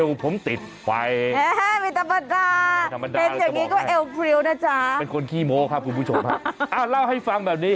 โอ้วมีตะบัดก่าวเห็นอย่างนี้ก็เอวพริ้วนะจ๊ะอ้าวเล่าให้ฟังแบบนี้